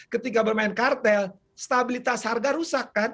ketika bermain kartel stabilitas harga rusak kan